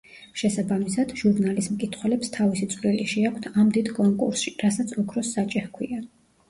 შესაბამისად, ჟურნალის მკითხველებს თავისი წვლილი შეაქვთ ამ დიდ კონკურსში, რასაც „ოქროს საჭე“ ჰქვია.